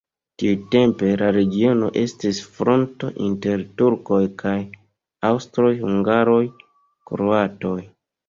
Tiutempe la regiono estis fronto inter turkoj kaj aŭstroj-hungaroj-kroatoj.